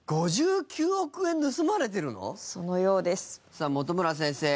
さあ本村先生